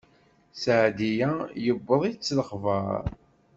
Seɛdiya yewweḍ-itt lexbaṛ.